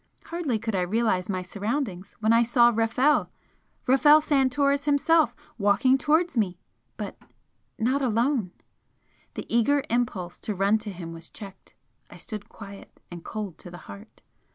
Hardly could I realise my surroundings when I saw Rafel! Rafel Santoris himself walking towards me but not alone! The eager impulse to run to him was checked I stood quiet, and cold to the heart.